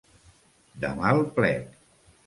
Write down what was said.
De mal plec.